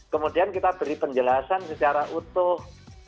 kemudian kita beri penjelasan secara utuh